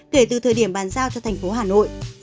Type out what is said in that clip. kể từ thời điểm bàn giao cho thành phố hà nội